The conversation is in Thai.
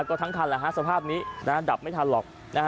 ก็ทั้งคันสภาพนี้ดับไม่ทันหรอก